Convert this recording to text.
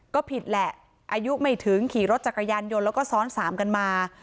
ก็ผิดแหละอายุไม่ถึงขี่รถจักรยานยนต์แล้วก็ซ้อนสามกันมา